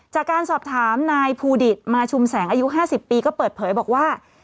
จากการสอบถามนายภูดิตมาชุมแสงอายุ๕๐ปีก็เปิดเผยบอกว่า